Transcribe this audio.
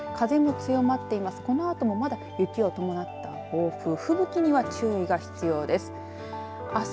このあとも、まだ雪を伴った暴風吹雪には注意が必要です。